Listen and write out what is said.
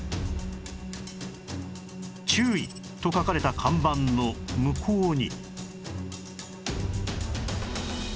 「注意！」と書かれた看板の向こうに